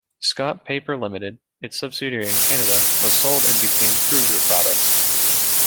Scott Paper Limited, its subsidiary in Canada, was sold and became Kruger Products.